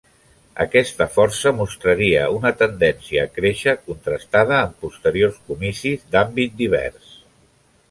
Aquesta força mostraria una tendència a créixer contrastada en posteriors comicis d'àmbit divers.